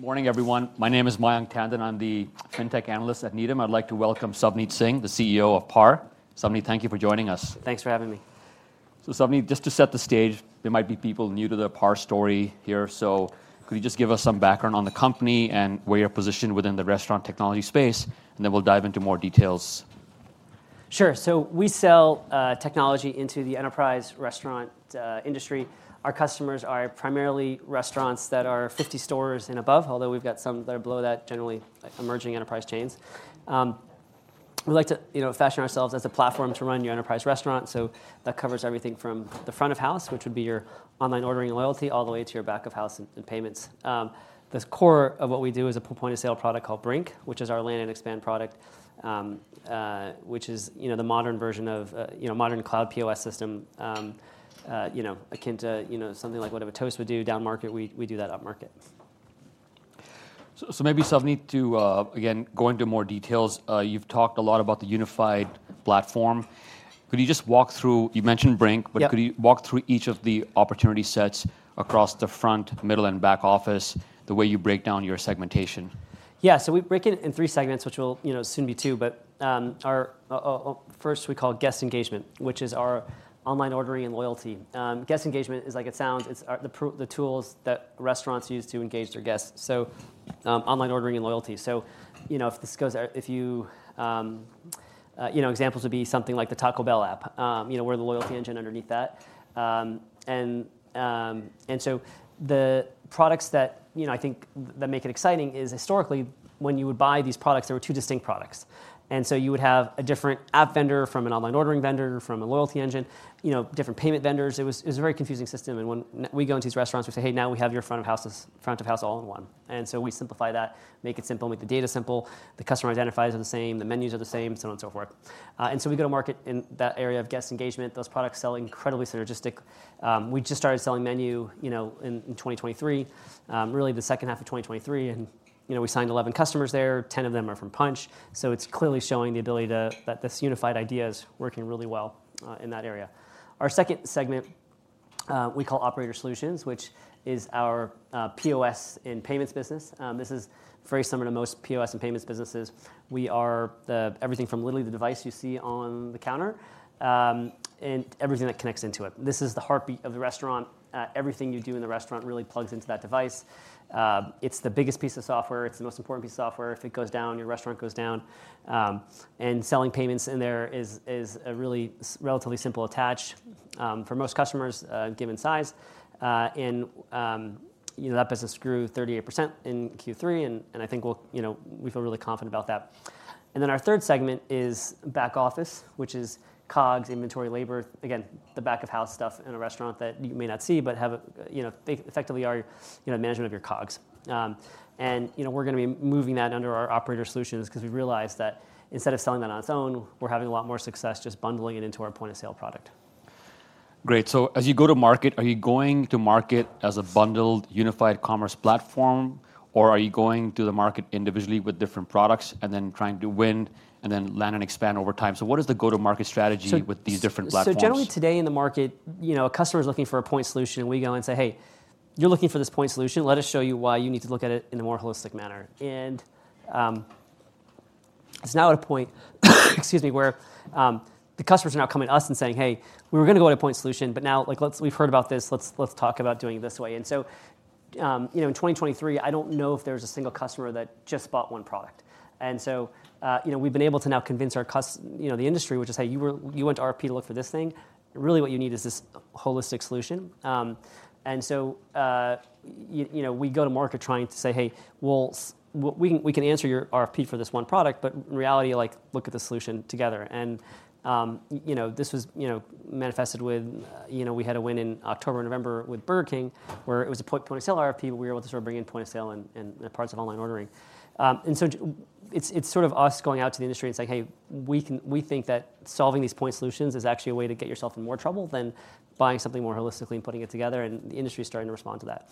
Morning, everyone. My name is Mayank Tandon. I'm the fintech analyst at Needham. I'd like to welcome Savneet Singh, the CEO of PAR. Savneet, thank you for joining us. Thanks for having me. So Savneet, just to set the stage, there might be people new to the PAR story here, so could you just give us some background on the company and where you're positioned within the restaurant technology space, and then we'll dive into more details? Sure. So we sell technology into the enterprise restaurant industry. Our customers are primarily restaurants that are 50 stores and above, although we've got some that are below that, generally emerging enterprise chains. We like to, you know, fashion ourselves as a platform to run your enterprise restaurant. So that covers everything from the front of house, which would be your online ordering and loyalty, all the way to your back of house and Payments. The core of what we do is a point-of-sale product called Brink, which is our land and expand product, which is, you know, the modern version of, you know, modern cloud POS system, you know, akin to, you know, something like what Toast would do down market, we, we do that up market. So, maybe Savneet, to again go into more details. You've talked a lot about the unified platform. Could you just walk through- You mentioned Brink- Yep. But could you walk through each of the opportunity sets across the front, middle, and back office, the way you break down your segmentation? Yeah. So we break it in three segments, which will, you know, soon be two. But, our first we call guest engagement, which is our online ordering and loyalty. Guest engagement is like it sounds, it's our... the tools that restaurants use to engage their guests. So, online ordering and loyalty. So, you know, if this goes out, if you, you know, examples would be something like the Taco Bell app. You know, we're the loyalty engine underneath that. And so the products that, you know, I think that make it exciting is historically, when you would buy these products, there were two distinct products. And so you would have a different app vendor, from an online ordering vendor, from a loyalty engine, you know, different payment vendors. It was, it was a very confusing system, and when we go into these restaurants, we say, "Hey, now we have your front of house, front of house all in one." And so we simplify that, make it simple, make the data simple. The customer identifiers are the same, the Menus are the same, so on and so forth. And so we go to market in that area of guest engagement. Those products sell incredibly synergistic. We just started selling Menu, you know, in 2023, really the second half of 2023, and, you know, we signed 11 customers there. 10 of them are from Punchh. So it's clearly showing the ability that this unified idea is working really well in that area. Our second segment, we call Operator Solutions, which is our POS and Payments business. This is very similar to most POS and Payments businesses. We are the everything from literally the device you see on the counter, and everything that connects into it. This is the heartbeat of the restaurant. Everything you do in the restaurant really plugs into that device. It's the biggest piece of software, it's the most important piece of software. If it goes down, your restaurant goes down. And selling Payments in there is a really relatively simple attach for most customers, given size. And, you know, that business grew 38% in Q3, and I think we'll, you know, we feel really confident about that. And then our third segment is back office, which is COGS, inventory, labor. Again, the back-of-house stuff in a restaurant that you may not see, but have, you know, they effectively are, you know, management of your COGS. You know, we're going to be moving that under our operator solutions because we've realized that instead of selling that on its own, we're having a lot more success just bundling it into our point-of-sale product. Great. So as you go to market, are you going to market as a bundled, unified commerce platform, or are you going to the market individually with different products and then trying to win and then land and expand over time? So what is the go-to-market strategy- So- with these different platforms? So generally today in the market, you know, a customer is looking for a point solution. We go and say, "Hey, you're looking for this point solution. Let us show you why you need to look at it in a more holistic manner." And, it's now at a point, excuse me, where, the customers are now coming to us and saying, "Hey, we were going to go at a point solution, but now, like, we've heard about this, let's talk about doing it this way." And so, you know, in 2023, I don't know if there's a single customer that just bought one product. And so, you know, we've been able to now convince our you know, the industry, which is, "Hey, you went to RFP to look for this thing. Really, what you need is this holistic solution." And so, you know, we go to market trying to say, "Hey, well, we, we can answer your RFP for this one product, but in reality, like, look at the solution together." And, you know, this was, you know, manifested with, you know, we had a win in October and November with Burger King, where it was a point of sale RFP, but we were able to sort of bring in point of sale and, and parts of online ordering. And so it's, it's sort of us going out to the industry and saying, "Hey, we think that solving these point solutions is actually a way to get yourself in more trouble than buying something more holistically and putting it together," and the industry is starting to respond to that.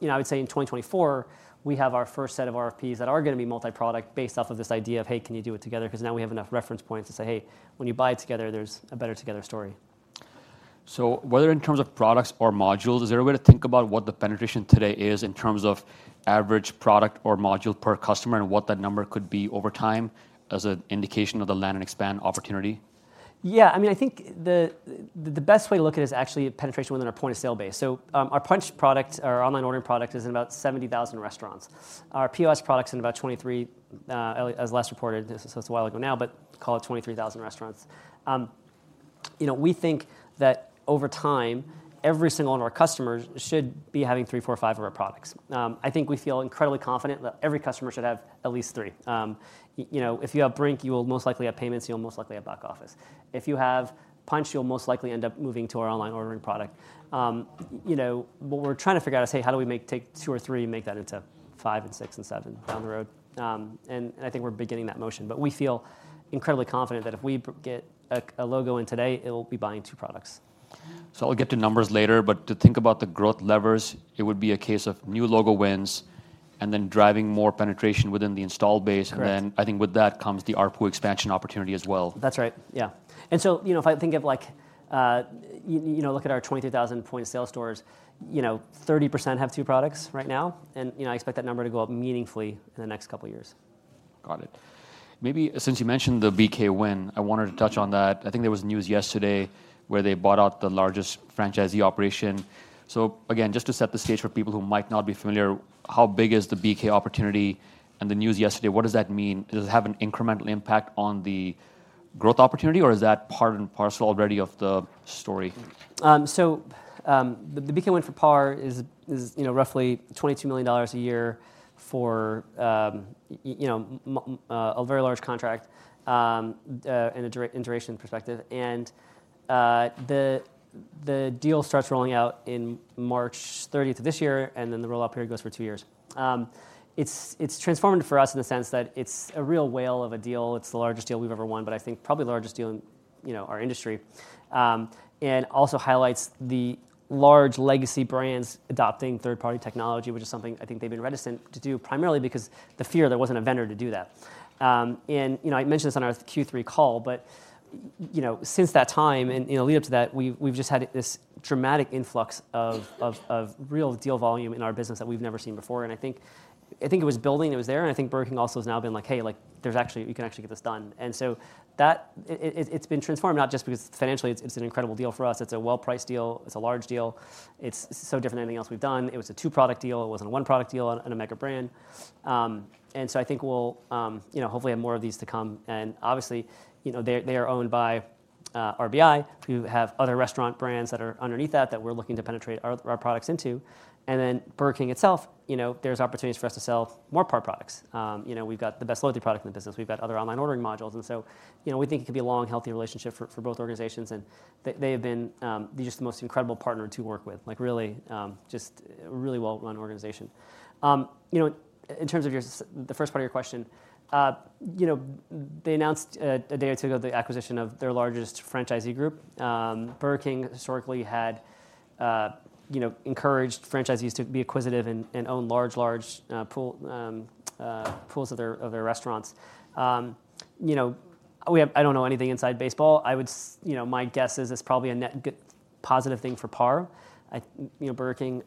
You know, I would say in 2024, we have our first set of RFPs that are going to be multi-product, based off of this idea of, "Hey, can you do it together?" Because now we have enough reference points to say, "Hey, when you buy it together, there's a better together story. Whether in terms of products or modules, is there a way to think about what the penetration today is in terms of average product or module per customer, and what that number could be over time as an indication of the land and expand opportunity? Yeah, I mean, I think the best way to look at it is actually penetration within our point-of-sale base. So, our Punchh product, our online ordering product, is in about 70,000 restaurants. Our POS product is in about 23, as last reported, this was a while ago now, but call it 23,000 restaurants. You know, we think that over time, every single one of our customers should be having three, four, or five of our products. I think we feel incredibly confident that every customer should have at least three. You know, if you have Brink, you will most likely have Payments, you'll most likely have back office. If you have Punchh, you'll most likely end up moving to our online ordering product. You know, what we're trying to figure out is, hey, how do we take two or three and make that into five, six, and seven down the road? And I think we're beginning that motion, but we feel incredibly confident that if we get a logo in today, it'll be buying two products. So I'll get to numbers later, but to think about the growth levers, it would be a case of new logo wins, and then driving more penetration within the installed base. Correct. I think with that comes the ARPU expansion opportunity as well. That's right. Yeah. And so, you know, if I think of like, you know, look at our 23,000 point-of-sale stores. You know, 30% have two products right now, and, you know, I expect that number to go up meaningfully in the next couple years. Got it. Maybe since you mentioned the BK win, I wanted to touch on that. I think there was news yesterday where they bought out the largest franchisee operation. So again, just to set the stage for people who might not be familiar, how big is the BK opportunity and the news yesterday, what does that mean? Does it have an incremental impact on the growth opportunity, or is that part and parcel already of the story? The BK win for PAR is, you know, roughly $22 million a year for, you know, a very large contract in a duration perspective. The deal starts rolling out in March 30th of this year, and then the rollout period goes for two years. It's transformative for us in the sense that it's a real whale of a deal. It's the largest deal we've ever won, but I think probably the largest deal in, you know, our industry. And also highlights the large legacy brands adopting third-party technology, which is something I think they've been reticent to do, primarily because the fear there wasn't a vendor to do that. And, you know, I mentioned this on our Q3 call, but, you know, since that time, and, you know, leading up to that, we've just had this dramatic influx of real deal volume in our business that we've never seen before. And I think it was building, it was there, and I think Burger King also has now been like: "Hey, like, there's actually we can actually get this done." And so that... It's been transformed, not just because financially, it's an incredible deal for us. It's a well-priced deal. It's a large deal. It's so different than anything else we've done. It was a two-product deal. It wasn't a one-product deal on a mega brand. And so I think we'll, you know, hopefully have more of these to come. Obviously, you know, they, they are owned by RBI, who have other restaurant brands that are underneath that, that we're looking to penetrate our, our products into. Then Burger King itself, you know, there's opportunities for us to sell more PAR products. You know, we've got the best loyalty product in the business. We've got other online ordering modules, and so, you know, we think it could be a long and healthy relationship for, for both organizations, and they, they have been just the most incredible partner to work with, like, really just a really well-run organization. You know, in terms of the first part of your question, you know, they announced a day or two ago, the acquisition of their largest franchisee group. Burger King historically had, you know, encouraged franchisees to be acquisitive and, and own large, large, pool, pools of their, of their restaurants. You know, we have. I don't know anything inside baseball. I would, you know, my guess is it's probably a net good, positive thing for PAR. I, you know, Burger King,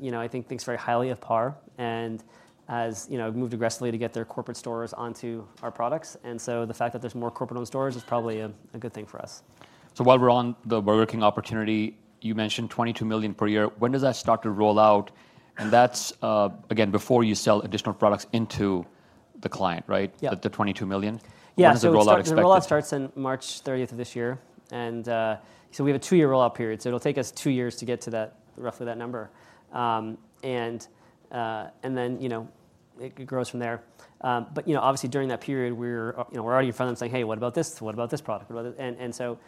you know, I think, thinks very highly of PAR and has, you know, moved aggressively to get their corporate stores onto our products. And so the fact that there's more corporate-owned stores is probably a, a good thing for us. So while we're on the Burger King opportunity, you mentioned $22 million per year. When does that start to roll out? And that's, again, before you sell additional products into the client, right? Yeah. The $22 million. Yeah. When does the rollout expect to? The rollout starts in March 30th of this year, and, so we have a two-year rollout period, so it'll take us two years to get to that, roughly that number. And then, you know, it grows from there. But, you know, obviously during that period, we're, you know, we're already in front of them saying: "Hey, what about this? What about this product? What about it..." And, and so,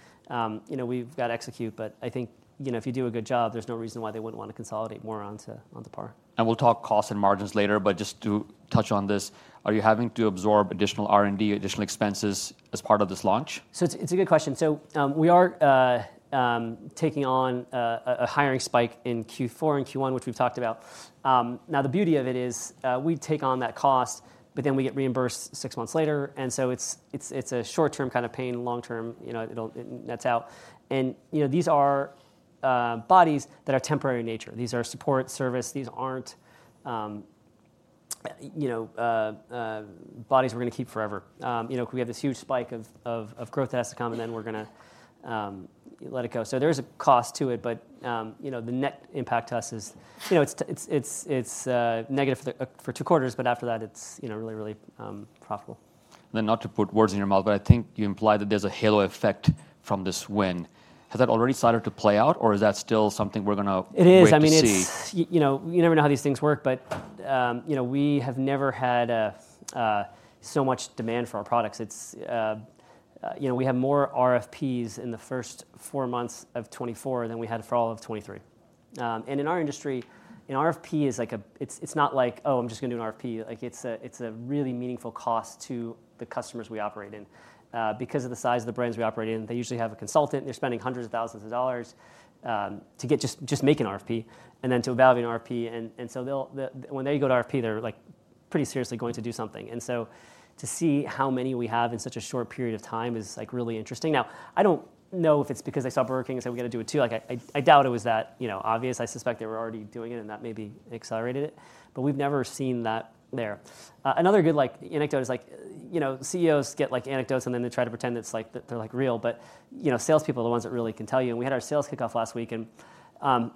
you know, we've got to execute, but I think, you know, if you do a good job, there's no reason why they wouldn't want to consolidate more onto, onto PAR. We'll talk costs and margins later, but just to touch on this, are you having to absorb additional R&D, additional expenses, as part of this launch? So it's a good question. So, we are taking on a hiring spike in Q4 and Q1, which we've talked about. Now, the beauty of it is, we take on that cost, but then we get reimbursed six months later, and so it's a short-term kind of pain, long-term, you know, it'll, that's how. And, you know, these are bodies that are temporary in nature. These are support, service. These aren't, you know, bodies we're going to keep forever. You know, we have this huge spike of growth that has to come, and then we're gonna let it go. There is a cost to it, but you know, the net impact to us is, you know, it's negative for the two quarters, but after that, it's you know, really, really profitable. Not to put words in your mouth, but I think you implied that there's a halo effect from this win. Has that already started to play out, or is that still something we're gonna- It is... wait to see? I mean, it's, you know, you never know how these things work, but, you know, we have never had a so much demand for our products. It's, you know, we have more RFPs in the first four months of 2024 than we had for all of 2023. And in our industry, an RFP is like a... it's, it's not like, "Oh, I'm just going to do an RFP." Like, it's a, it's a really meaningful cost to the customers we operate in. Because of the size of the brands we operate in, they usually have a consultant, and they're spending hundreds of thousands of dollars, to get just, just make an RFP and then to evaluate an RFP. And, and so they'll, the, when they go to RFP, they're, like, pretty seriously going to do something. And so to see how many we have in such a short period of time is, like, really interesting. Now, I don't know if it's because they saw Burger King and said, "We're going to do it, too." Like, I, I, I doubt it was that, you know, obvious. I suspect they were already doing it, and that maybe accelerated it, but we've never seen that there. Another good, like, anecdote is, like, you know, CEOs get, like, anecdotes, and then they try to pretend it's like, that they're, like, real. But, you know, salespeople are the ones that really can tell you. And we had our sales kickoff last week and,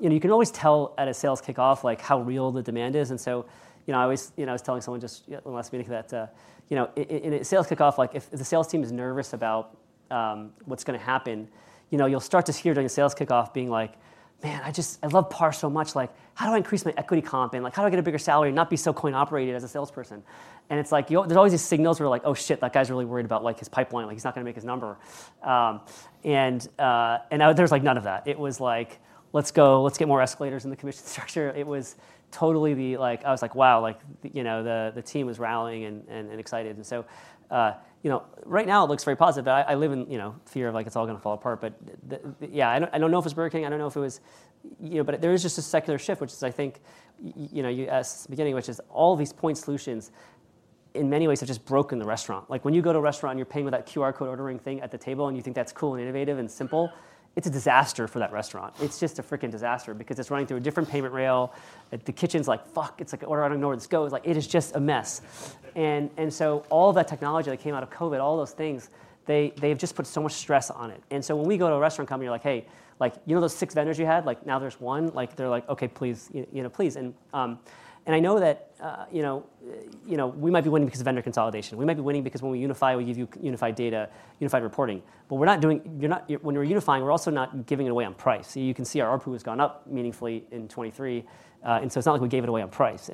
you know, you can always tell at a sales kickoff, like, how real the demand is. And so, you know, I always, you know, I was telling someone just last week that, you know, in a sales kickoff, like, if the sales team is nervous about what's gonna happen, you know, you'll start to hear during a sales kickoff being like: "Man, I just, I love PAR so much. Like, how do I increase my equity comp and, like, how do I get a bigger salary and not be so coin operated as a salesperson?" And it's like, There's always these signals where like: "Oh, shit, that guy's really worried about, like, his pipeline, like, he's not going to make his number." And now there's, like, none of that. It was like: "Let's go. Let's get more escalators in the commission structure." It was totally the, like... I was like: "Wow," like, you know, the team was rallying and excited. So, you know, right now it looks very positive. But I live in, you know, fear of, like, it's all gonna fall apart. But yeah, I don't know if it's Burger King. I don't know if it was, you know... But there is just a secular shift, which is, I think, you know, you asked at the beginning, which is all these point solutions in many ways have just broken the restaurant. Like, when you go to a restaurant, and you're paying with that QR code ordering thing at the table, and you think that's cool, and innovative, and simple, it's a disaster for that restaurant. It's just a freaking disaster because it's running through a different payment rail. The kitchen's like, "Fuck! It's like an order out of nowhere." It's like, it is just a mess. And so all that technology that came out of COVID, all those things, they've just put so much stress on it. And so when we go to a restaurant company, we're like: "Hey, like, you know those six vendors you had? Like, now there's one." Like, they're like: "Okay, please, you know, please." And I know that, you know, we might be winning because of vendor consolidation. We might be winning because when we unify, we give you unified data, unified reporting. But we're not doing— You're not— When we're unifying, we're also not giving it away on price. So you can see our ARPU has gone up meaningfully in 2023, and so it's not like we gave it away on price.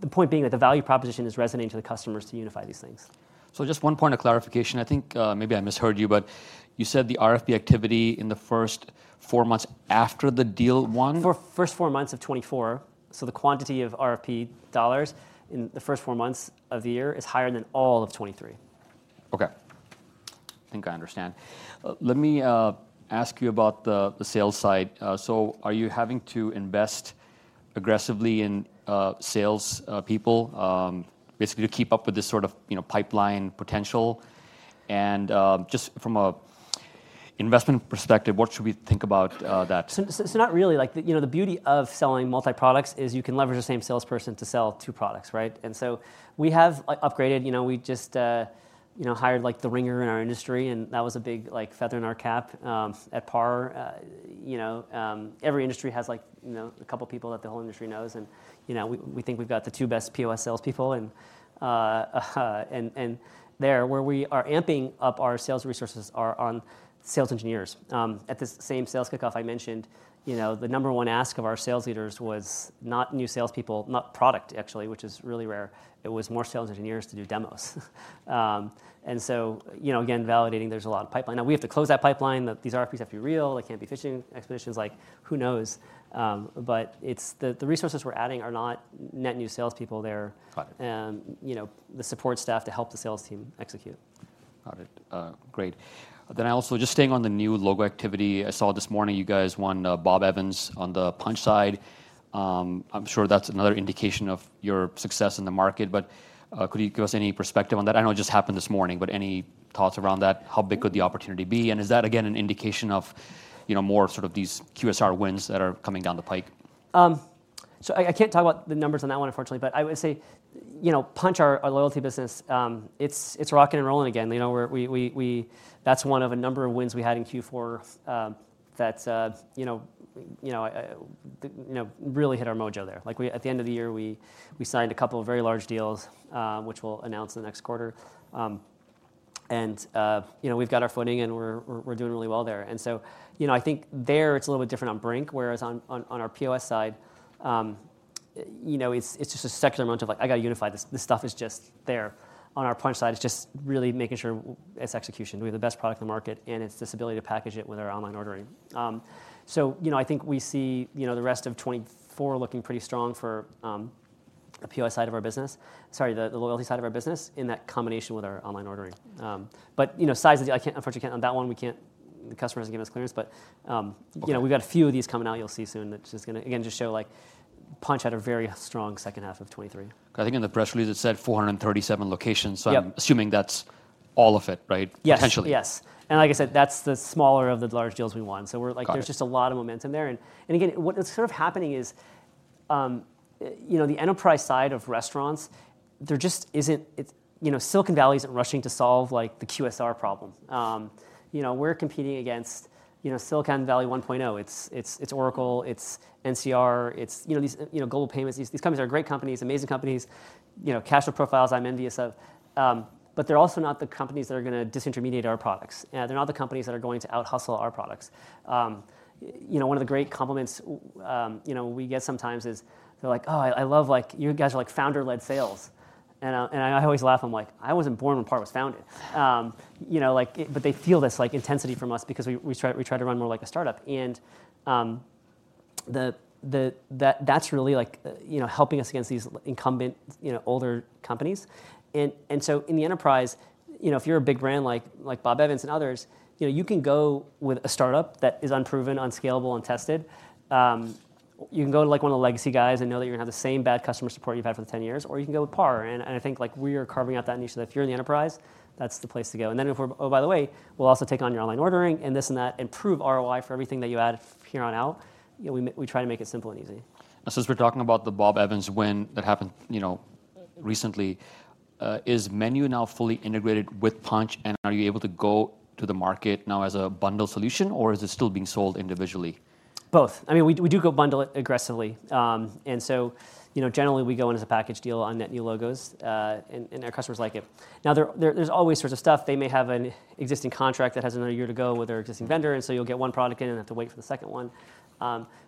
The point being, that the value proposition is resonating to the customers to unify these things. Just one point of clarification. I think, maybe I misheard you, but you said the RFP activity in the first four months after the deal one? For first four months of 2024. So the quantity of RFP dollars in the first four months of the year is higher than all of 2023. Okay. I think I understand. Let me ask you about the sales side. So are you having to invest aggressively in sales people, basically to keep up with this sort of, you know, pipeline potential? And just from an investment perspective, what should we think about that? So not really. Like, you know, the beauty of selling multi-products is you can leverage the same salesperson to sell two products, right? And so we have upgraded, you know, we just, you know, hired, like, the ringer in our industry, and that was a big, like, feather in our cap, at PAR. You know, every industry has, like, you know, a couple people that the whole industry knows, and, you know, we think we've got the two best POS salespeople. And there, where we are amping up our sales resources are on sales engineers. At this same sales kickoff I mentioned, you know, the number one ask of our sales leaders was not new salespeople, not product, actually, which is really rare, it was more sales engineers to do demos. and so, you know, again, validating there's a lot of pipeline. Now, we have to close that pipeline, that these RFPs have to be real, they can't be fishing expeditions. Like, who knows? but it's... The resources we're adding are not net new salespeople there- Got it. you know, the support staff to help the sales team execute. Got it. Great. Then also, just staying on the new logo activity, I saw this morning, you guys won, Bob Evans on the Punchh side. I'm sure that's another indication of your success in the market, but, could you give us any perspective on that? I know it just happened this morning, but any thoughts around that? How big could the opportunity be, and is that, again, an indication of, you know, more sort of these QSR wins that are coming down the pike? So I can't talk about the numbers on that one, unfortunately. But I would say, you know, Punchh, our loyalty business, it's rocking and rolling again. You know, we're. That's one of a number of wins we had in Q4, that, you know, you know, you know, really hit our mojo there. Like, at the end of the year, we signed a couple of very large deals, which we'll announce the next quarter. And, you know, we've got our footing, and we're doing really well there. And so, you know, I think there, it's a little bit different on Brink, whereas on our POS side, you know, it's just a secular moment of, like, "I got to unify this. This stuff is just there." On our Punchh side, it's just really making sure it's execution. We have the best product in the market, and it's this ability to package it with our online ordering. So, you know, I think we see, you know, the rest of 2024 looking pretty strong for the POS side of our business, sorry, the loyalty side of our business, in that combination with our online ordering. But, you know, sizes, I can't- unfortunately, can't, on that one, we can't... The customer hasn't given us clearance, but, you know- Okay... we've got a few of these coming out. You'll see soon. That's just gonna, again, just show, like, Punchh had a very strong second half of 2023. I think in the press release, it said 437 locations. Yep. I'm assuming that's all of it, right? Yes. Potentially. Yes. Like I said, that's the smaller of the large deals we won. Got it. So we're like, there's just a lot of momentum there. And again, what is sort of happening is, you know, the enterprise side of restaurants, there just isn't. It's, you know, Silicon Valley isn't rushing to solve, like, the QSR problem. You know, we're competing against, you know, Silicon Valley 1.0. It's Oracle, it's NCR, it's, you know, Global Payments. These companies are great companies, amazing companies, you know, cash flow profiles I'm envious of. But they're also not the companies that are gonna disintermediate our products. They're not the companies that are going to outhustle our products. You know, one of the great compliments, you know, we get sometimes is they're like: "Oh, I love, like, you guys are like founder-led sales." And I always laugh. I'm like: "I wasn't born when PAR was founded." You know, like, but they feel this, like, intensity from us because we try to run more like a start-up. That's really like, you know, helping us against these incumbent, you know, older companies. So in the enterprise, you know, if you're a big brand like Bob Evans and others, you know, you can go with a start-up that is unproven, unscalable, untested. You can go to, like, one of the legacy guys and know that you're going to have the same bad customer support you've had for 10 years, or you can go with PAR. I think, like, we are carving out that niche, so that if you're in the enterprise, that's the place to go. If we're. Oh, by the way, we'll also take on your online ordering and this and that, improve ROI for everything that you add here on out. You know, we try to make it simple and easy. Since we're talking about the Bob Evans win that happened, you know, recently, is Menu now fully integrated with Punchh, and are you able to go to the market now as a bundle solution, or is it still being sold individually? Both. I mean, we do, we do go bundle it aggressively. And so, you know, generally, we go in as a package deal on net new logos, and our customers like it. Now, there's always sorts of stuff. They may have an existing contract that has another year to go with their existing vendor, and so you'll get one product in and have to wait for the second one.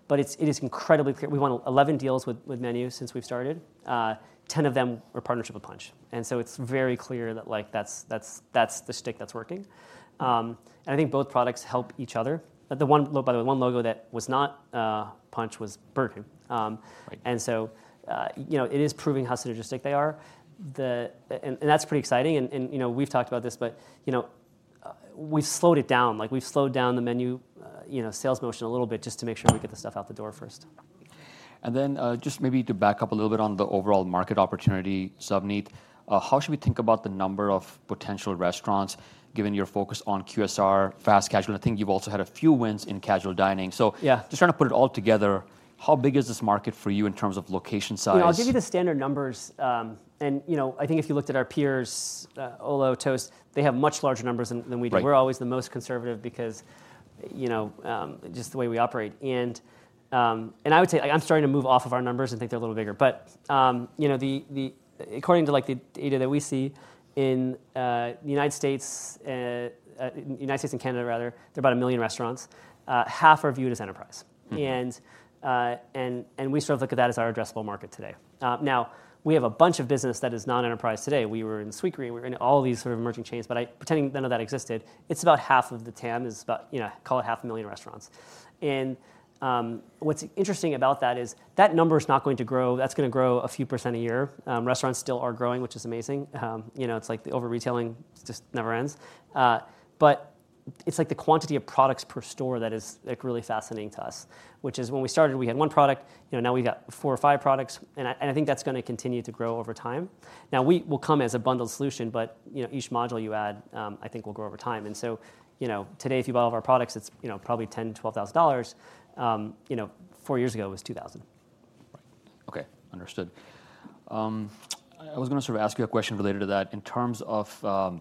But it's, it is incredibly clear. We won 11 deals with Menu since we've started. Ten of them were partnership with Punchh, and so it's very clear that, like, that's the stick that's working. And I think both products help each other. But the one lo-- By the way, one logo that was not Punchh was Burger King. Right. So, you know, it is proving how synergistic they are. And that's pretty exciting, and, you know, we've talked about this, but, you know, we've slowed it down. Like, we've slowed down the Menu, you know, sales motion a little bit just to make sure we get the stuff out the door first. And then, just maybe to back up a little bit on the overall market opportunity, Savneet, how should we think about the number of potential restaurants, given your focus on QSR, fast casual? I think you've also had a few wins in casual dining. So- Yeah. Just trying to put it all together, how big is this market for you in terms of location size? You know, I'll give you the standard numbers. You know, I think if you looked at our peers, Olo, Toast, they have much larger numbers than we do. Right. We're always the most conservative because, you know, just the way we operate. And, and I would say, I, I'm starting to move off of our numbers and think they're a little bigger. But, you know, the, the-- according to, like, the data that we see in, the United States and Canada rather, there are about 1 million restaurants. Half are viewed as enterprise. Mm-hmm. We sort of look at that as our addressable market today. Now, we have a bunch of business that is non-enterprise today. We were in Sweetgreen, we were in all these sort of emerging chains, but pretending none of that existed, it's about half of the TAM, is about, you know, call it 500,000 restaurants. And, what's interesting about that is that number is not going to grow. That's going to grow a few percent a year. Restaurants still are growing, which is amazing. You know, it's like the over-retailing just never ends. But it's, like, the quantity of products per store that is, like, really fascinating to us, which is when we started, we had one product. You know, now we've got four or five products, and I, and I think that's going to continue to grow over time. Now, we will come as a bundled solution, but, you know, each module you add, I think will grow over time. And so, you know, today, if you buy all of our products, it's, you know, probably $10,000-$12,000. You know, four years ago, it was $2,000. Right. Okay, understood. I was going to sort of ask you a question related to that. In terms of,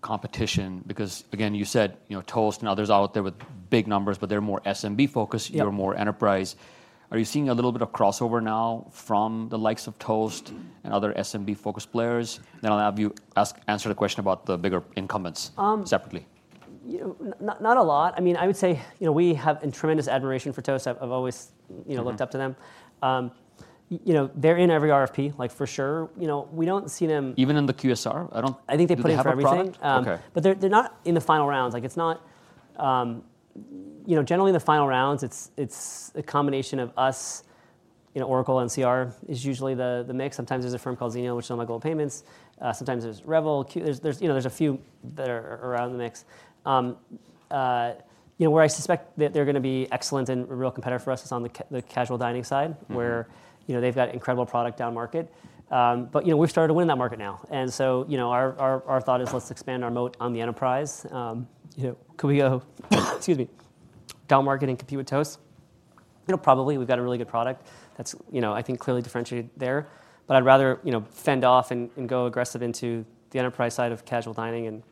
competition, because, again, you said, you know, Toast and others are out there with big numbers, but they're more SMB focused- Yep. You're more enterprise. Are you seeing a little bit of crossover now from the likes of Toast and other SMB-focused players? Then I'll have you answer the question about the bigger incumbents. Um -separately. You-- Not a lot. I mean, I would say, you know, we have tremendous admiration for Toast. I've always, you know- Mm-hmm... looked up to them. You know, they're in every RFP, like, for sure. You know, we don't see them- Even in the QSR? I don't- I think they bid for everything. Do they have a product? Okay. But they're not in the final rounds. You know, generally, in the final rounds, it's a combination of us, you know, Oracle and NCR is usually the mix. Sometimes, there's a firm called Xenial, which is on Global Payments. Sometimes there's Revel. You know, there's a few that are around the mix. You know, where I suspect that they're going to be excellent and a real competitor for us is on the casual dining side- Mm-hmm... where, you know, they've got incredible product down market. But, you know, we've started to win that market now. And so, you know, our thought is, let's expand our moat on the enterprise. You know, could we go, excuse me, down market and compete with Toast? You know, probably. We've got a really good product, that's, you know, I think, clearly differentiated there. But I'd rather, you know, fend off and go aggressive into the enterprise side of casual dining and,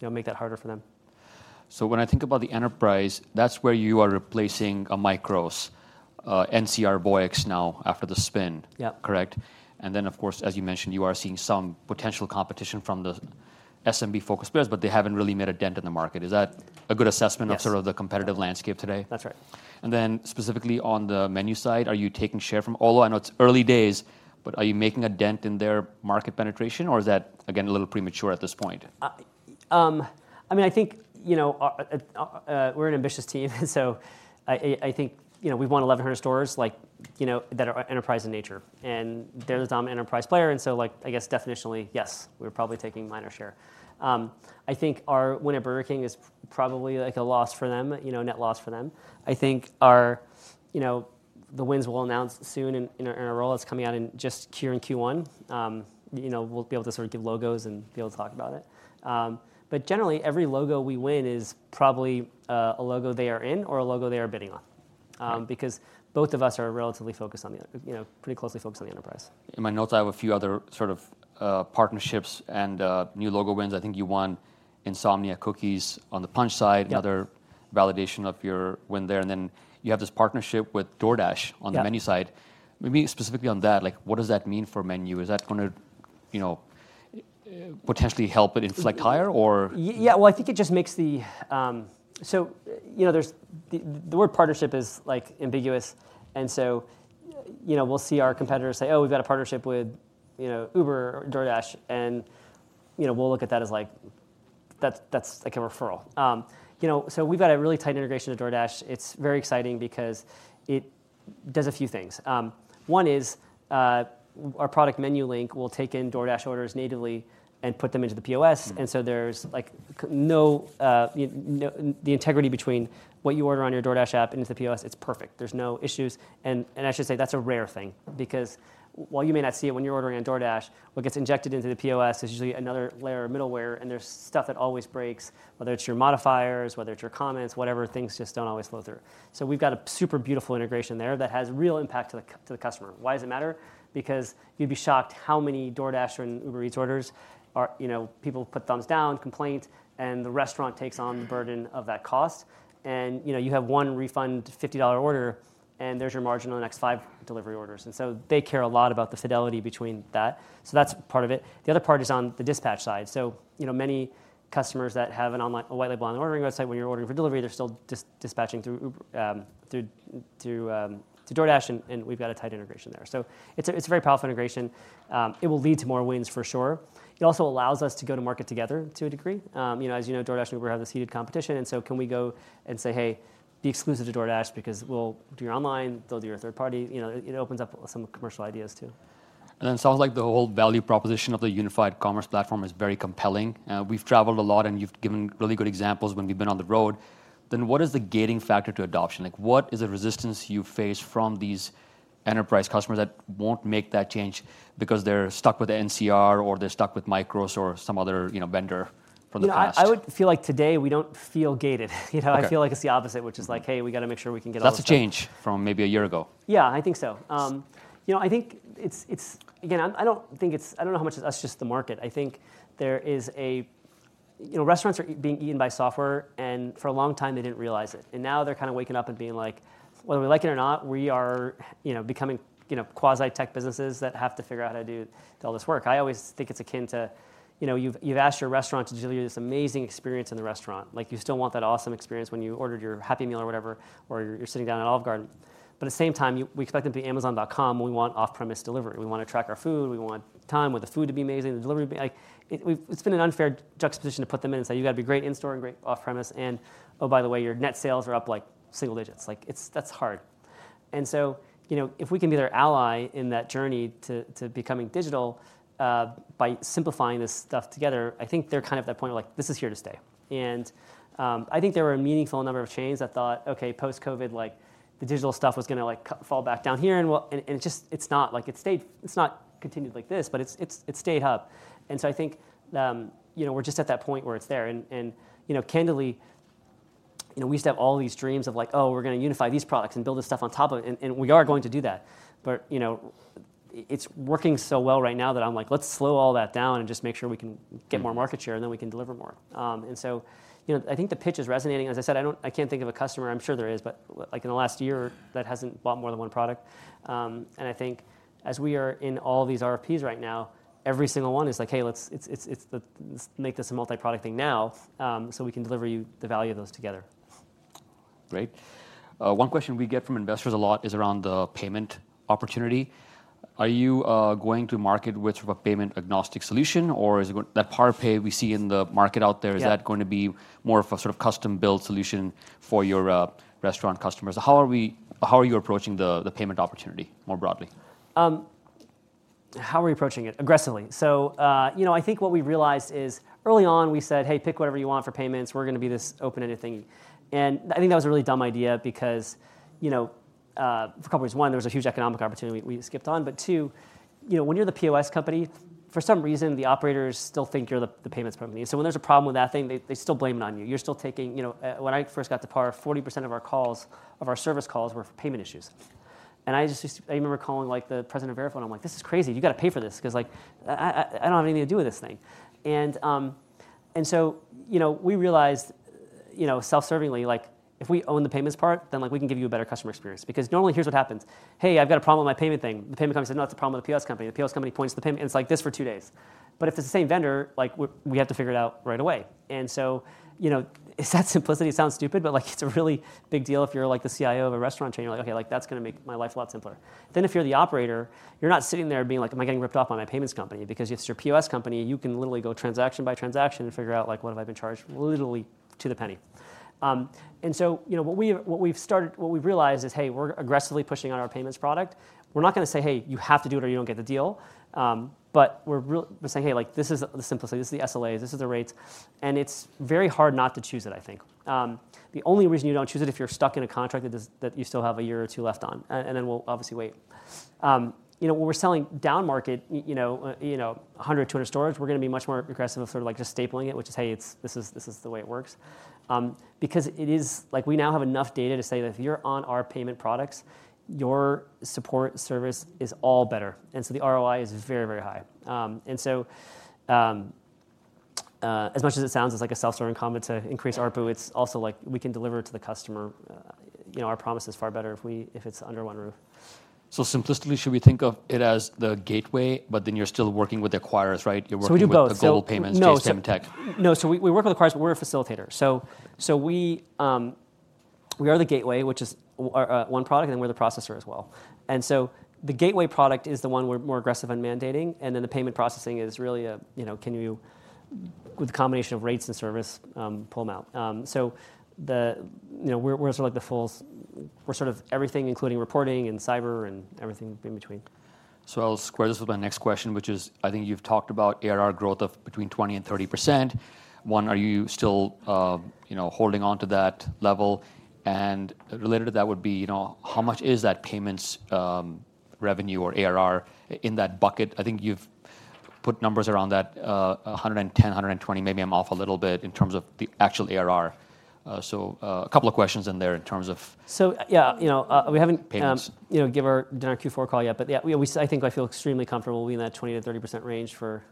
you know, make that harder for them. When I think about the enterprise, that's where you are replacing a Micros, NCR Voyix now after the spin. Yep. Correct? And then, of course, as you mentioned, you are seeing some potential competition from the SMB-focused players, but they haven't really made a dent in the market. Is that a good assessment- Yes... of sort of the competitive landscape today? That's right. Then, specifically on the Menu side, are you taking share from Olo? I know it's early days, but are you making a dent in their market penetration, or is that, again, a little premature at this point? I mean, I think, you know, we're an ambitious team, so I think, you know, we've won 1,100 stores, like, you know, that are enterprise in nature, and they're the dominant enterprise player, and so, like, I guess definitionally, yes, we're probably taking minor share. I think our win at Burger King is probably, like, a loss for them, you know, net loss for them. I think our, you know, the wins we'll announce soon in a row that's coming out in just Q1 and Q2. You know, we'll be able to sort of give logos and be able to talk about it. But generally, every logo we win is probably a logo they are in or a logo they are bidding on. Right. Because both of us are relatively focused on the, you know, pretty closely focused on the enterprise. In my notes, I have a few other sort of partnerships and new logo wins. I think you won Insomnia Cookies on the Punchh side. Yep. Another validation of your win there, and then you have this partnership with DoorDash- Yep... on the Menu side. Maybe specifically on that, like, what does that mean for Menu? Is that going to, you know, potentially help with inflect higher or- Yeah, well, I think it just makes the... So, you know, there's, the, the word partnership is, like, ambiguous, and so, you know, we'll see our competitors say: "Oh, we've got a partnership with, you know, Uber or DoorDash," and, you know, we'll look at that as like, that's, that's like a referral. You know, so we've got a really tight integration with DoorDash. It's very exciting because it does a few things. One is, our product Menu Link will take in DoorDash orders natively and put them into the POS. Mm-hmm. And so there's, like, the integrity between what you order on your DoorDash app into the POS, it's perfect. There's no issues, and I should say that's a rare thing. Mm. Because while you may not see it when you're ordering on DoorDash, what gets injected into the POS is usually another layer of middleware, and there's stuff that always breaks, whether it's your modifiers, whether it's your comments, whatever, things just don't always flow through. So we've got a super beautiful integration there that has real impact to the to the customer. Why does it matter? Because you'd be shocked how many DoorDash and Uber Eats orders are, you know, people put thumbs down, complaint, and the restaurant takes on the burden of that cost. And, you know, you have one refund, $50 order, and there's your margin on the next five delivery orders. And so they care a lot about the fidelity between that, so that's part of it. The other part is on the dispatch side. So, you know, many customers that have an online, a white label on an ordering website, when you're ordering for delivery, they're still dispatching through DoorDash, and we've got a tight integration there. So it's a very powerful integration. It will lead to more wins for sure. It also allows us to go to market together to a degree. You know, as you know, DoorDash and Uber have this heated competition, and so can we go and say: "Hey, be exclusive to DoorDash because we'll do your online, they'll do your third party"? You know, it opens up some commercial ideas, too. It sounds like the whole value proposition of the unified commerce platform is very compelling. We've traveled a lot, and you've given really good examples when we've been on the road. Then what is the gating factor to adoption? Like, what is the resistance you face from these enterprise customers that won't make that change because they're stuck with NCR, or they're stuck with Micros or some other, you know, vendor from the past? Yeah, I would feel like today we don't feel gated. Okay. You know, I feel like it's the opposite, which is like- Mm... hey, we gotta make sure we can get all this done. That's a change from maybe a year ago. Yeah, I think so. You know, I think it's... Again, I don't think it's... I don't know how much it's us, just the market. I think there is a... You know, restaurants are being eaten by software, and for a long time they didn't realize it. And now they're kind of waking up and being like: Well, whether we like it or not, we are, you know, becoming, you know, quasi-tech businesses that have to figure out how to do all this work. I always think it's akin to, you know, you've asked your restaurant to deliver you this amazing experience in the restaurant. Like, you still want that awesome experience when you ordered your Happy Meal or whatever, or you're sitting down at Olive Garden. But at the same time, you, we expect them to be Amazon.com, we want off-premise delivery. We want to track our food, we want time with the food to be amazing, the delivery to be like-- It's been an unfair juxtaposition to put them in and say: You've got to be great in-store and great off-premise, and, oh, by the way, your net sales are up, like, single digits. Like, it's-- that's hard. And so, you know, if we can be their ally in that journey to, to becoming digital, by simplifying this stuff together, I think they're kind of at that point of like, "This is here to stay." And, I think there were a meaningful number of chains that thought: "Okay, post-COVID, like, the digital stuff was going to, like, fall back down here, and we'll--" And it just, it's not. Like, it's stayed- it's not continued like this, but it's, it's, it's stayed up. I think, you know, we're just at that point where it's there. You know, candidly, you know, we used to have all these dreams of like, "Oh, we're going to unify these products and build this stuff on top of it," and we are going to do that. But, you know, it's working so well right now that I'm like: Let's slow all that down and just make sure we can get more market share, and then we can deliver more. So, you know, I think the pitch is resonating. As I said, I don't, I can't think of a customer, I'm sure there is, but, like, in the last year, that hasn't bought more than one product. And I think as we are in all these RFPs right now, every single one is like: Hey, let's... It's. Let's make this a multi-product thing now, so we can deliver you the value of those together. Great. One question we get from investors a lot is around the payment opportunity. Are you going to market with a payment-agnostic solution, or is it that PAR Pay we see in the market out there- Yeah... is that going to be more of a sort of custom-built solution for your restaurant customers? How are you approaching the payment opportunity, more broadly? How are we approaching it? Aggressively. So, you know, I think what we've realized is, early on, we said: "Hey, pick whatever you want for Payments. We're going to be this open-ended thingy." And I think that was a really dumb idea because, you know, for a couple reasons. One, there was a huge economic opportunity we, we skipped on. But two, you know, when you're the POS company, for some reason, the operators still think you're the, the Payments company. So when there's a problem with that thing, they, they still blame it on you. You're still taking... You know, when I first got to PAR, 40% of our calls, of our service calls, were for payment issues. And I just, just-- I remember calling, like, the president of Verifone, I'm like: "This is crazy. You gotta pay for this, 'cause like, I don't have anything to do with this thing." And so, you know, we realized, you know, self-servingly, like, if we own the Payments part, then, like, we can give you a better customer experience. Because normally, here's what happens: "Hey, I've got a problem with my payment thing." The payment company says, "No, it's a problem with the POS company." The POS company points to the payment, and it's like this for two days. But if it's the same vendor, like, we have to figure it out right away. And so, you know, it's that simplicity. It sounds stupid, but, like, it's a really big deal if you're, like, the CIO of a restaurant chain. You're like: "Okay, like, that's going to make my life a lot simpler." Then, if you're the operator, you're not sitting there being like, "Am I getting ripped off by my Payments company?" Because if it's your POS company, you can literally go transaction by transaction and figure out, like, what have I been charged, literally to the penny. And so, you know, what we've realized is, hey, we're aggressively pushing on our Paymentspayment product. We're not going to say, "Hey, you have to do it or you don't get the deal." But we're saying: Hey, like, this is the simplicity, this is the SLAs, this is the rates. And it's very hard not to choose it, I think. The only reason you don't choose it, if you're stuck in a contract that is, that you still have a year or two left on, and then we'll obviously wait. You know, when we're selling down market, you know, 100, 200 stores, we're going to be much more aggressive of sort of like just stapling it, which is: "Hey, it's-- this is, this is the way it works." Because it is. Like, we now have enough data to say that if you're on our payment products, your support service is all better, and so the ROI is very, very high. And so, as much as it sounds like a self-serving comment to increase ARPU, it's also like we can deliver it to the customer. You know, our promise is far better if it's under one roof. So simplistically, should we think of it as the gateway, but then you're still working with the acquirers, right? So we do both. You're working with Global Payments, JCM Tech. No, so we work with acquirers, but we're a facilitator. So we are the gateway, which is one product, and then we're the processor as well. And so the gateway product is the one we're more aggressive on mandating, and then the payment processing is really a, you know, can you, with the combination of rates and service, pull them out? So, you know, we're sort of like the full- we're sort of everything, including reporting and cyber and everything in between. I'll square this with my next question, which is, I think you've talked about ARR growth of between 20%-30%. One, are you still, you know, holding on to that level? And related to that would be, you know, how much is that payments revenue or ARR in that bucket? I think you've put numbers around that, 110, 120, maybe I'm off a little bit in terms of the actual ARR. So, a couple of questions in there in terms of- So, yeah, you know, we haven't- Payments... you know, give our, done our Q4 call yet, but yeah, we always-- I think I feel extremely comfortable being in that 20%-30% range for,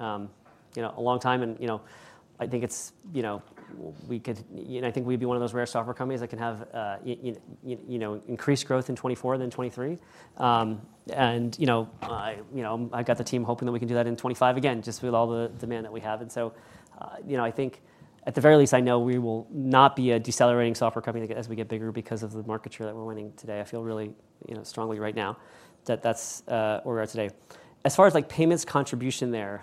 you know, a long time. And, you know, I think it's, you know, we could, and I think we'd be one of those rare software companies that can have, you know, increased growth in 2024 than 2023. And, you know, I, you know, I've got the team hoping that we can do that in 2025 again, just with all the demand that we have. And so, you know, I think at the very least, I know we will not be a decelerating software company as we get bigger because of the market share that we're winning today. I feel really, you know, strongly right now that that's, where we're at today. As far as, like, payments contribution there,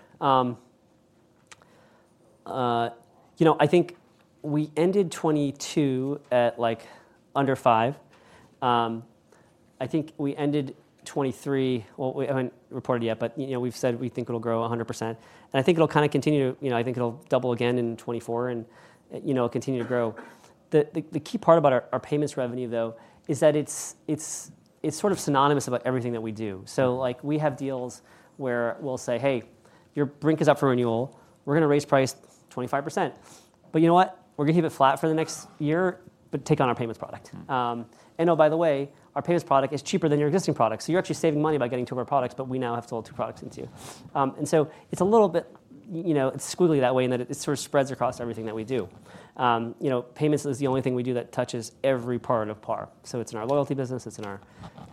you know, I think we ended 2022 at, like, under 5%. I think we ended 2023, well, we haven't reported yet, but, you know, we've said we think it'll grow 100%. And I think it'll kind of continue. You know, I think it'll double again in 2024 and, you know, continue to grow. The key part about our payments revenue, though, is that it's sort of synonymous about everything that we do. So, like, we have deals where we'll say, "Hey, your Brink is up for renewal. We're gonna raise price 25%. But you know what? We're gonna keep it flat for the next year, but take on our payments product. And oh, by the way, our payments product is cheaper than your existing product, so you're actually saving money by getting two of our products, but we now have sold two products into you. And so it's a little bit, you know, it's squiggly that way, in that it sort of spreads across everything that we do. You know, payments is the only thing we do that touches every part of PAR. So it's in our loyalty business, it's in our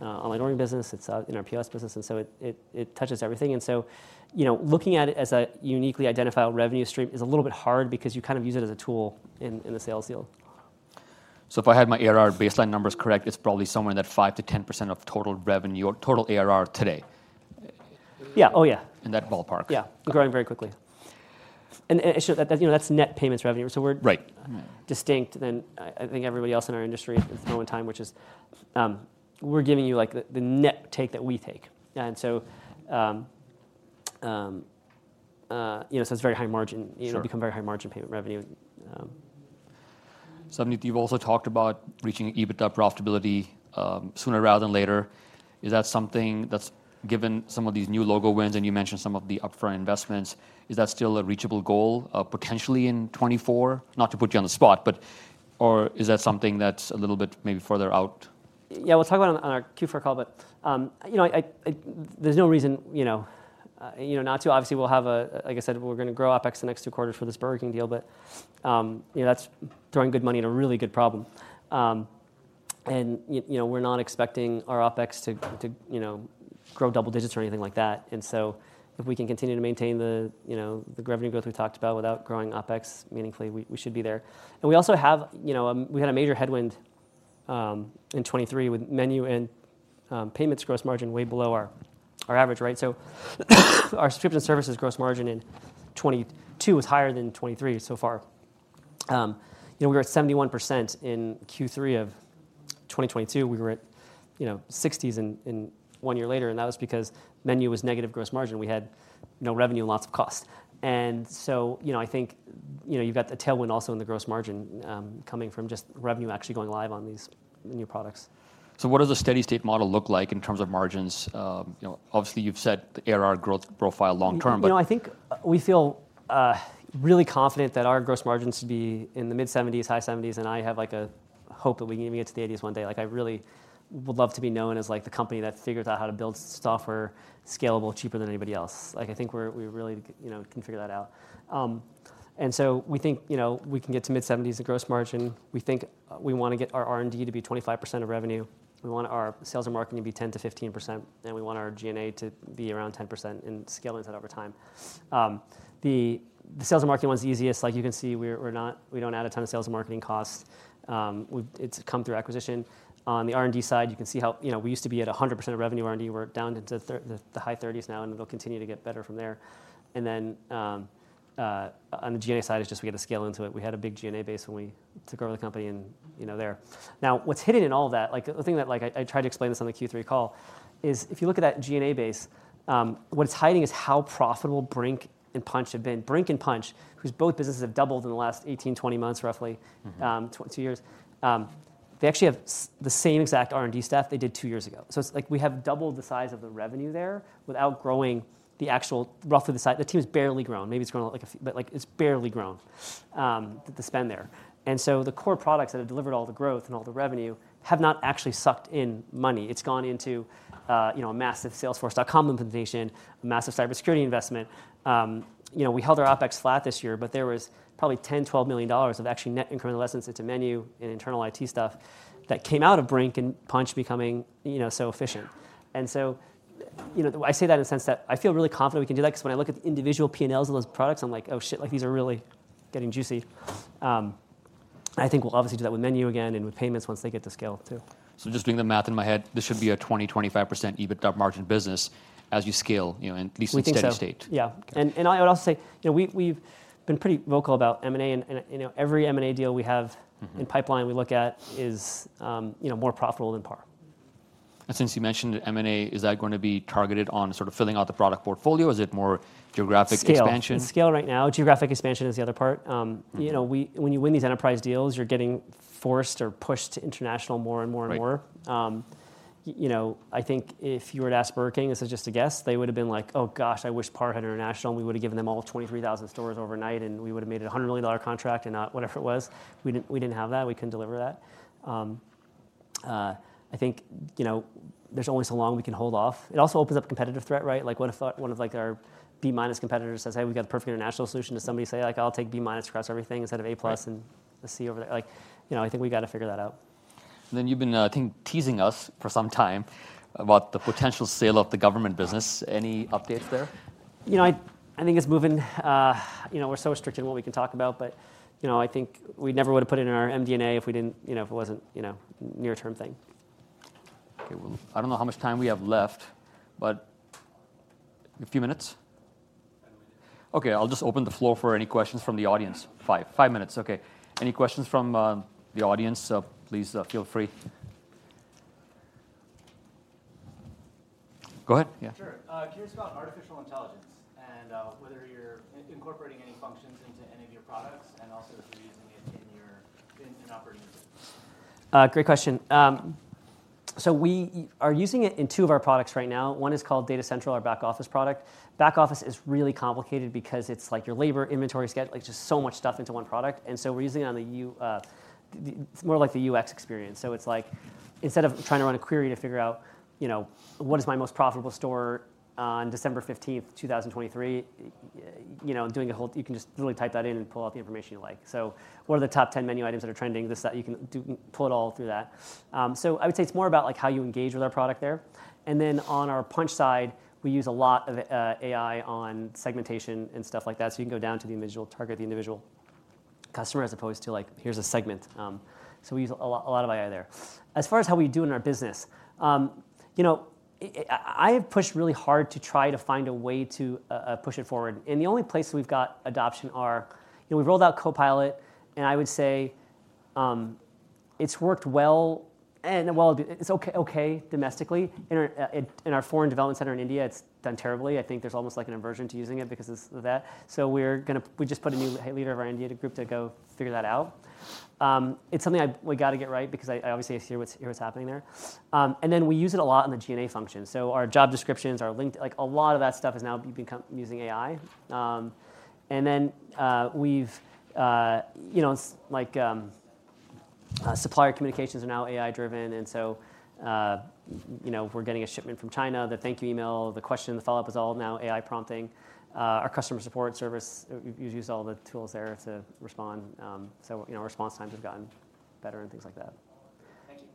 online ordering business, it's in our POS business, and so it touches everything. So, you know, looking at it as a uniquely identifiable revenue stream is a little bit hard because you kind of use it as a tool in the sales field. If I had my ARR baseline numbers correct, it's probably somewhere in that 5%-10% of total revenue or total ARR today? Yeah. Oh, yeah. In that ballpark? Yeah. Growing very quickly. And it should—that, you know, that's net payments revenue, so we're- Right. distinct than I think everybody else in our industry at this point in time, which is, we're giving you, like, the net take that we take. And so, you know, so it's very high margin- Sure. you know, become very high margin payment revenue. Savneet, you've also talked about reaching EBITDA profitability sooner rather than later. Is that something that's... Given some of these new logo wins, and you mentioned some of the upfront investments, is that still a reachable goal, potentially in 2024? Not to put you on the spot, but or is that something that's a little bit maybe further out? Yeah, we'll talk about it on, on our Q4 call, but, you know, There's no reason, you know, you know, not to. Obviously, we'll have a-- Like I said, we're gonna grow OpEx the next two quarters for this Burger King deal, but, you know, that's throwing good money at a really good problem. And you know, we're not expecting our OpEx to you know, grow double digits or anything like that. And so if we can continue to maintain the, you know, the revenue growth we talked about without growing OpEx meaningfully, we should be there. And we also have, you know, we had a major headwind, in 2023, with Menu and, Payments gross margin way below our average, right? So our subscription services gross margin in 2022 was higher than 2023 so far. You know, we were at 71% in Q3 of 2022. We were at, you know, 60s in, in one year later, and that was because Menu was negative gross margin. We had no revenue and lots of cost. And so, you know, I think, you know, you've got the tailwind also in the gross margin, coming from just revenue actually going live on these new products. What does a steady state model look like in terms of margins? You know, obviously, you've set the ARR growth profile long term, but- You know, I think we feel really confident that our gross margins should be in the mid-70s, high 70s, and I have, like, a hope that we can even get to the 80s one day. Like, I really would love to be known as, like, the company that figures out how to build software scalable cheaper than anybody else. Like, I think we really, you know, can figure that out. And so we think, you know, we can get to mid-70s in gross margin. We think we wanna get our R&D to be 25% of revenue. We want our sales and marketing to be 10%-15%, and we want our G&A to be around 10% and scale into that over time. The sales and marketing one's the easiest. Like, you can see, we're not—we don't add a ton of sales and marketing costs. It's come through acquisition. On the R&D side, you can see how, you know, we used to be at 100% of revenue R&D. We're down into the high 30s% now, and it'll continue to get better from there. And then, on the G&A side, it's just we had to scale into it. We had a big G&A base when we took over the company and, you know, there. Now, what's hidden in all of that, like, the thing that... Like, I tried to explain this on the Q3 call is, if you look at that G&A base, what it's hiding is how profitable Brink and Punchh have been. Brink and Punchh, whose both businesses have doubled in the last 18, 20 months, roughly- Mm-hmm... 20 years. They actually have the same exact R&D staff they did two years ago. So it's, like, we have doubled the size of the revenue there without growing the actual, roughly the size. The team's barely grown. Maybe it's grown, like, a few, but, like, it's barely grown, the spend there. And so the core products that have delivered all the growth and all the revenue have not actually sucked in money. It's gone into, you know, a massive Salesforce.com implementation, a massive cybersecurity investment. You know, we held our OpEx flat this year, but there was probably $10 million-$12 million of actually net incremental expense into Menu and internal IT stuff that came out of Brink and Punchh becoming, you know, so efficient. And so, you know, I say that in the sense that I feel really confident we can do that, 'cause when I look at the individual P&Ls of those products, I'm like, "Oh, shit, like, these are really getting juicy." I think we'll obviously do that with Menu again and with payments once they get to scale, too. Just doing the math in my head, this should be a 20%-25% EBITDA margin business as you scale, you know, at least in steady state. We think so. Yeah. Okay. And I would also say, you know, we've been pretty vocal about M&A, and you know, every M&A deal we have in pipeline we look at is, you know, more profitable than PAR. Since you mentioned M&A, is that going to be targeted on sort of filling out the product portfolio, or is it more geographic expansion? Scale. It's scale right now. Geographic expansion is the other part. You know, when you win these enterprise deals, you're getting forced or pushed to international more and more and more. Right. You know, I think if you were to ask Burger King, this is just a guess, they would've been like, "Oh, gosh, I wish PAR had international." We would've given them all 23,000 stores overnight, and we would've made a $100 million contract, and not whatever it was. We didn't, we didn't have that. We couldn't deliver that. I think, you know, there's only so long we can hold off. It also opens up competitive threat, right? Like, what if one of, like, our B-minus competitors says, "Hey, we've got the perfect international solution," does somebody say, like, "I'll take B-minus across everything instead of A-plus- Right - and a C over there? Like, you know, I think we've got to figure that out. Then you've been, I think, teasing us for some time about the potential sale of the government business. Any updates there? You know, I think it's moving. You know, we're so strict in what we can talk about, but, you know, I think we never would've put it in our MD&A if we didn't, you know, if it wasn't, you know, near-term thing. ... Okay, well, I don't know how much time we have left, but a few minutes? Okay, I'll just open the floor for any questions from the audience. Five, five minutes. Okay. Any questions from the audience? Please, feel free. Go ahead, yeah. Sure. Curious about artificial intelligence and whether you're incorporating any functions into any of your products, and also if you're using it in your operations? Great question. So we are using it in two of our products right now. One is called Data Central, our back office product. Back office is really complicated because it's like your labor inventory, like, just so much stuff into one product, and so we're using it. It's more like the UX experience. So it's like, instead of trying to run a query to figure out, you know, "What is my most profitable store on December 15th, 2023?" You know, doing a whole... You can just literally type that in and pull out the information you like. So what are the top 10 Menu items that are trending? This, that, you can pull it all through that. So I would say it's more about, like, how you engage with our product there. And then on our Punchh side, we use a lot of AI on segmentation and stuff like that. So you can go down to the individual, target the individual customer, as opposed to, like, "Here's a segment." So we use a lot, a lot of AI there. As far as how we do it in our business, you know, I have pushed really hard to try to find a way to push it forward, and the only places we've got adoption are, you know, we've rolled out Copilot, and I would say it's worked well, and... Well, it's okay domestically. In our foreign development center in India, it's done terribly. I think there's almost, like, an aversion to using it because of that. So we just put a new leader of our India group to go figure that out. It's something we've got to get right, because I, I obviously see what's, hear what's happening there. And then we use it a lot in the G&A function. So our job descriptions are linked. Like, a lot of that stuff has now become using AI. And then we've, you know, like, supplier communications are now AI-driven, and so, you know, if we're getting a shipment from China, the thank you email, the question, the follow-up is all now AI prompting. Our customer support service use all the tools there to respond. So, you know, response times have gotten better and things like that. Thank you.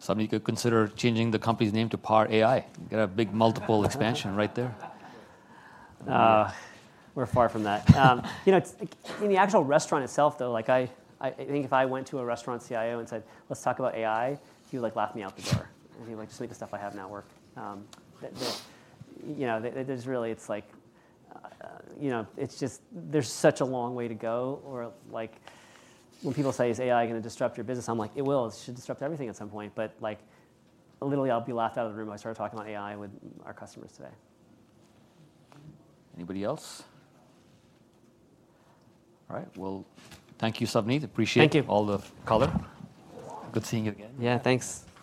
Savneet, you could consider changing the company's name to PAR AI. Get a big multiple expansion right there. We're far from that. You know, it's in the actual restaurant itself, though, like I, I think if I went to a restaurant CIO and said, "Let's talk about AI," he would, like, laugh me out the door. And he'd be like, "Just look at the stuff I have now working." You know, there, there's really... It's like, you know, it's just there's such a long way to go. Or, like, when people say, "Is AI gonna disrupt your business?" I'm like, "It will. It should disrupt everything at some point." But, like, literally, I'll be laughed out of the room if I started talking about AI with our customers today. Anybody else? All right, well, thank you, Savneet. Appreciate- Thank you... all the color. Good seeing you again. Yeah, thanks.